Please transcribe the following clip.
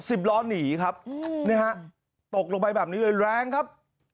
สิบล้อหนีครับอืมนี่ฮะตกลงไปแบบนี้เลยแรงครับ